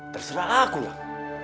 terserah aku lah